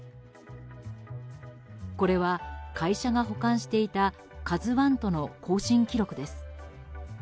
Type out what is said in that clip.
これは会社が保管していた「ＫＡＺＵ１」との交信記録です。